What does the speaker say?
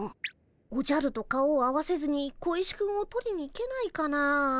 おじゃると顔を合わせずに小石くんを取りに行けないかな？